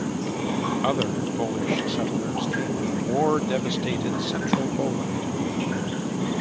Other Polish settlers came from war-devastated central Poland.